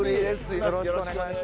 よろしくお願いします。